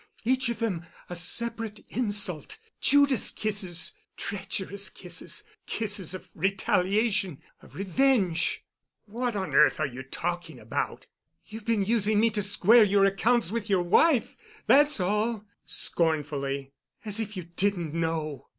Each of them a separate insult—Judas kisses—treacherous kisses—kisses of retaliation—of revenge——" "What on earth are you talking about?" "You've been using me to square your accounts with your wife—that's all," scornfully. "As if you didn't know."